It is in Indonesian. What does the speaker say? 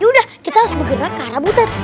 yaudah kita harus bergerak ke arah butet